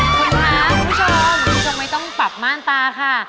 คุณค่ะคุณผู้ชมคุณผู้ชมไม่ต้องปับม่านตาค่ะ